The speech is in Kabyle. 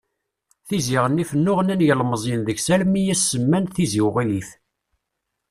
Tizi Ɣennif nnuɣnan yilmeẓyen deg-s armi i as-semman: Tizi Uɣilif.